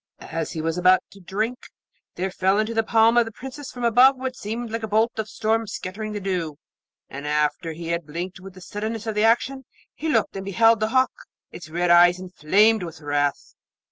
As he was about to drink, there fell into the palm of the Princess from above what seemed a bolt of storm scattering the dew; and after he had blinked with the suddenness of the action he looked and beheld the hawk, its red eyes inflamed with wrath.